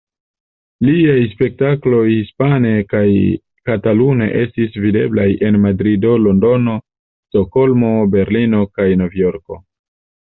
Liaj spektakloj hispane kaj katalune estis videblaj en Madrido, Londono, Stokholmo, Berlino kaj Novjorko.